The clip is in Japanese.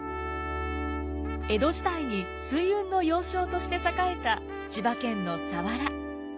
江戸時代に水運の要衝として栄えた千葉県の佐原。